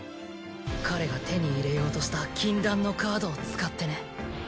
彼が手に入れようとした禁断のカードを使ってね。